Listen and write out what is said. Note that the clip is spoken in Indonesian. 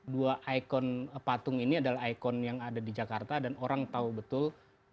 dua ikon patung ini adalah ikon yang ada di jakarta dan orang tahu betul